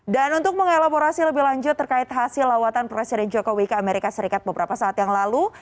dan untuk mengelaborasi lebih lanjut terkait hasil lawatan presiden jokowi ke amerika serikat beberapa saat yang lalu